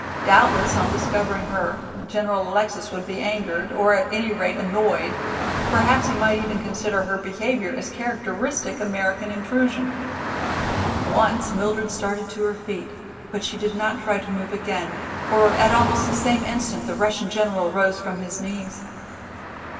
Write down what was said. Doubtless on discovering her General Alexis would be angered, or at any rate annoyed, perhaps he might even consider her behavior as characteristic American intrusion. Once Mildred started to her feet, but she did not try to move again, for at almost the same instant the Russian general rose from his knees.